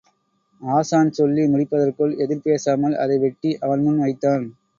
ஆசான் சொல்லி முடிப்பதற்குள் எதிர் பேசாமல் அதை வெட்டி அவன் முன் வைத்தான்.